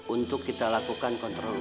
untuk kita lakukan kontrol